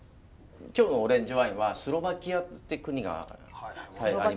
今日のオレンジワインはスロバキアって国があります。